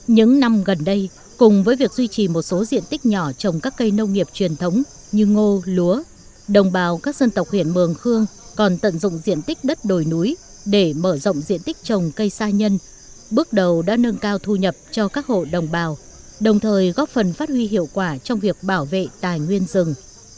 những năm gần đây cùng với việc duy trì một số diện tích nhỏ trồng các cây nông nghiệp truyền thống như ngô lúa đồng bào các dân tộc huyện mường khương còn tận dụng diện tích đất đồi núi để mở rộng diện tích trồng cây sa nhân bước đầu đã nâng cao thu nhập cho các hộ đồng bào đồng thời góp phần phát huy hiệu quả trong việc bảo vệ tài nguyên rừng